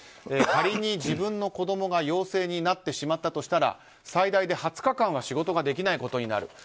仮に自分の子供が陽性になってしまったとしたら最大で２０日間は仕事ができないことになる。